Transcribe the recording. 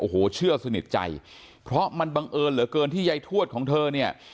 โอ้โหเชื่อสนิทใจเพราะมันบังเอิญเหลือเกินที่ยายทวดของเธอเนี่ย